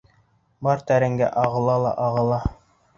Бау тәрәнгә ағыла ла ағыла.